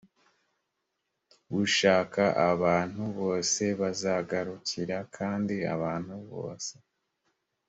ushaka abantu bose bazakugarukira kandi abantu bose